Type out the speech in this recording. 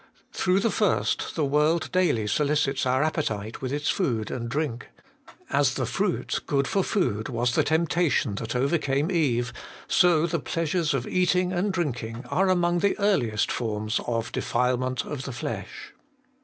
Through the first the world daily solicits our appetite with its food and drink. As the fruit good for food was the temptation that overcame Eve, so the pleasures of eating and drinking are among the earliest forms of defilement of the flesh.